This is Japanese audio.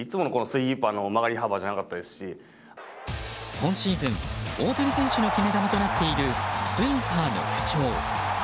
今シーズン、大谷選手の決め球となっているスイーパーの不調。